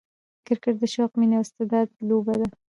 کرکټ د شوق، میني او استعداد لوبه ده.